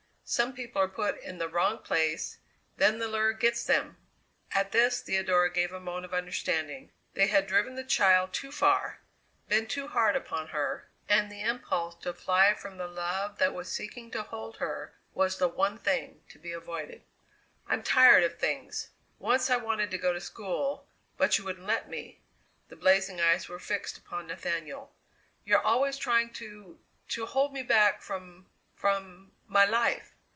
Some people are put in the wrong place then the lure gets them!" At this Theodora gave a moan of understanding. They had driven the child too far, been too hard upon her, and the impulse to fly from the love that was seeking to hold her was the one thing to be avoided. "I'm tired of things. Once I wanted to go to school, but you wouldn't let me." The blazing eyes were fixed upon Nathaniel. "You're always trying to to hold me back from from my life!